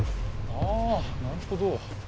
ああなるほど。